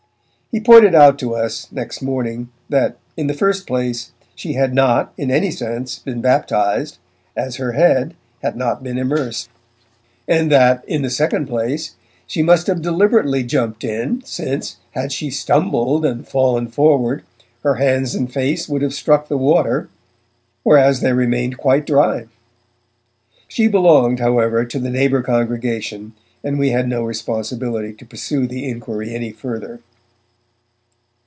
He pointed out to us, next morning, that, in the first place, she had not, in any sense, been baptized, as her head had not been immersed; and that, in the second place, she must have deliberately jumped in, since, had she stumbled and fallen forward, her hands and face would have struck the water, whereas they remained quite dry. She belonged, however, to the neighbour congregation, and we had no responsibility to pursue the inquiry any further.